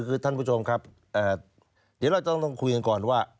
คือท่านผู้ชมครับเดี๋ยวเราต้องคุยกันก่อนว่า